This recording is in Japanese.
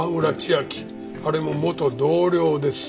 あれも元同僚です。